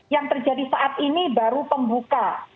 yang terjadi saat ini baru pembuka